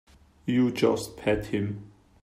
You just pat him.